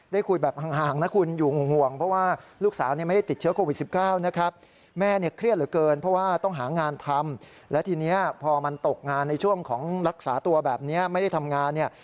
ได้คุยแบบห่างนะคุณอยู่ห่วง